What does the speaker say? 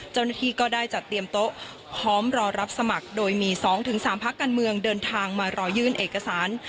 เจ้าหน้าที่ก็ได้จัดเตรียมโต๊ะพร้อมรอรับสมัครโดยมี๒๓พักการเมืองเดินทางมารอยื่นเอกสาร